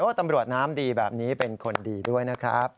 ตำรวจน้ำดีแบบนี้เป็นคนดีด้วยนะครับ